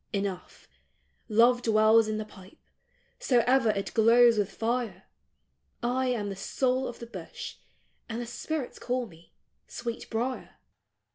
319 « Enough : Love ■ dwells in the pipe— so ever it glows with fire ! I am the soul of the bush, and the spirits call me Sweet Brier."